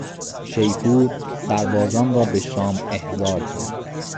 شیپور سربازان را به شام احضار کرد.